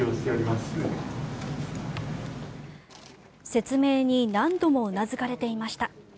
説明に何度もうなずかれていました。